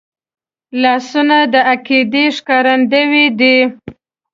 لاسونه د عقیدې ښکارندوی دي